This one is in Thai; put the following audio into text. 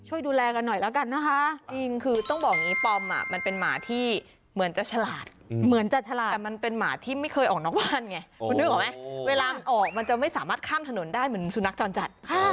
เวลาออกมันจะไม่สามารถข้ามถนนได้เหมือนสุนัขจรจัด